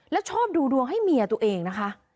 แล้วชอบดูดวงให้เมียตัวเองนะคะ